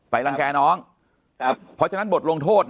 รังแก่น้องเพราะฉะนั้นบทลงโทษ